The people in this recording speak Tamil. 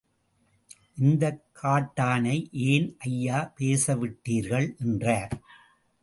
இந்தக் காட்டானை ஏன் ஐயா பேசவிட்டீர்கள், என்றார்.